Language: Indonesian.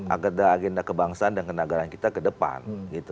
agenda agenda kebangsaan dan kenagaran kita ke depan